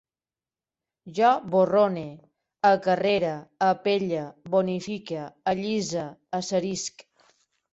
Jo borrone, acarrere, apelle, bonifique, allise, asserisc